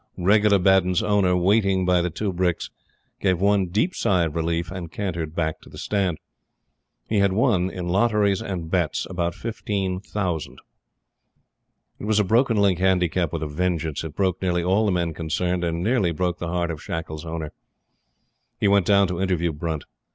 Regula Baddun's owner, waiting by the two bricks, gave one deep sigh of relief, and cantered back to the stand. He had won, in lotteries and bets, about fifteen thousand. It was a broken link Handicap with a vengeance. It broke nearly all the men concerned, and nearly broke the heart of Shackles' owner. He went down to interview Brunt.